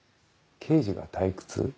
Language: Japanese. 刑事が退屈？